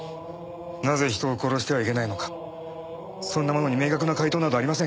なぜ人を殺してはいけないのかそんなものに明確な解答などありませんから。